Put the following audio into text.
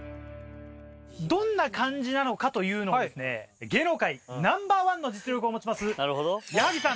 どんな感じなのかというのを芸能界ナンバーワンの実力を持ちます矢作さん